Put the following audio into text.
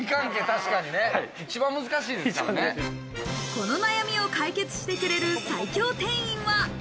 この悩みを解決してくれる最強店員は。